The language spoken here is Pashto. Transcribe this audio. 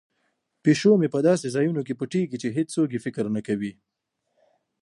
پیشو مې په داسې ځایونو کې پټیږي چې هیڅوک یې فکر نه کوي.